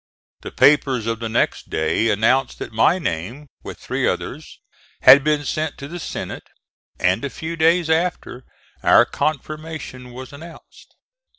The papers of the next day announced that my name, with three others, had been sent to the Senate, and a few days after our confirmation was announced.